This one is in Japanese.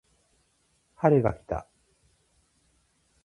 春が来た